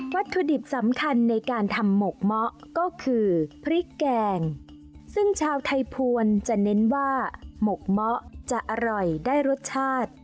วัตถุดิบสำคัญในการทำหมกเมาะก็คือพริกแกงซึ่งชาวไทยภวรจะเน้นว่าหมกเมาะจะอร่อยได้รสชาติ